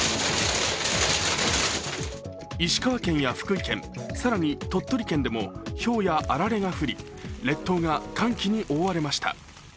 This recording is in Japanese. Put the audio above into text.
石川県や福井県、更に鳥取県でもひょうやあられが降り列島が寒気に覆われました。